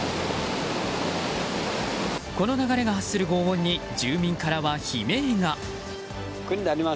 この流れが発する轟音に住民からは悲鳴が。